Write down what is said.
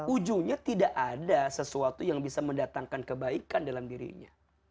ujungnya tidak ada sesuatu yang bisa mendatangkan kebaikan dalam dirinya